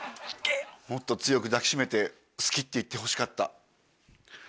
もっと強く抱き締めて好きって言ってほしかった。